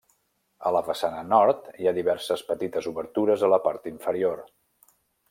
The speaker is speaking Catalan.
A la façana nord, hi ha diverses petites obertures a la part inferior.